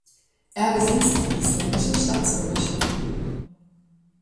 Er besitzt die isländische Staatsbürgerschaft.